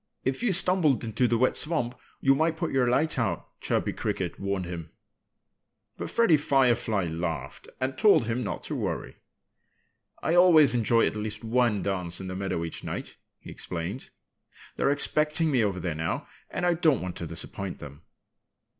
"If you stumbled into the wet swamp you might put your light out," Chirpy Cricket warned him. But Freddie Firefly laughed and told him not to worry. "I always enjoy at least one dance in the meadow each night," he explained. "They're expecting me over there now. And I don't want to disappoint them."